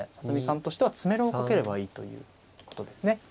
里見さんとしては詰めろをかければいいということですね。